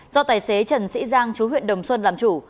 do tài xế trần sĩ giang chú huyện đồng xuân làm chủ